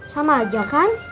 sama aja kan